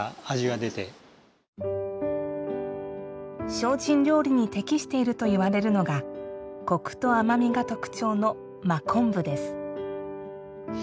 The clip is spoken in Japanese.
精進料理に適しているといわれるのがこくと甘みが特徴の真昆布です。